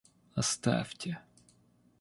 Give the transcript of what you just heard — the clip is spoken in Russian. — Оставьте.